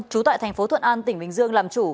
trú tại thành phố thuận an tỉnh bình dương làm chủ